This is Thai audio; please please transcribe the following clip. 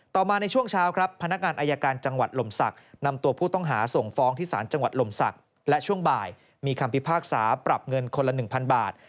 มาในช่วงเช้าครับพนักงานอายการจังหวัดลมศักดิ์นำตัวผู้ต้องหาส่งฟ้องที่ศาลจังหวัดลมศักดิ์และช่วงบ่ายมีคำพิพากษาปรับเงินคนละ๑๐๐บาท